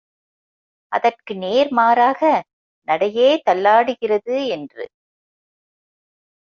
அதற்கு நேர்மாறாக, நடையே தள்ளாடுகிறது! என்று.